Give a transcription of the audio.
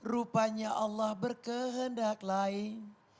rupanya allah berkehendak lain